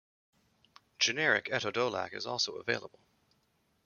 Generic etodolac is also available.